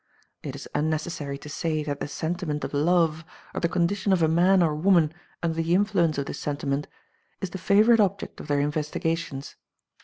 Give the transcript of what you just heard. It is unnecessary to say that the senti ment of love, or the condition of a man or woman under the influence of this sentiment, is the favo rite object of their investigations.